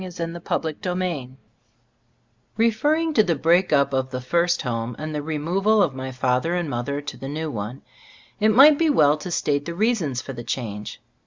48 Zbc Storg of Ag (IbUObooi) Referring to the breaking up of the first home, and the removal of my father and mother to the new one, it might be well to state the reasons for the change.